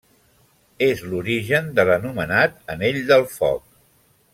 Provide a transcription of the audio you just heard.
És l'origen de l'anomenat anell del foc.